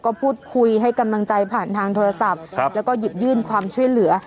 ก็พูดคุยให้กำลังใจผ่านทางโทรศัพท์แล้วก็หยิบยื่นความช่วยเหลือ